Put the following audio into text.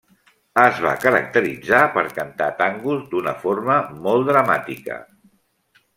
Es va caracteritzar per cantar tangos d'una forma molt dramàtica.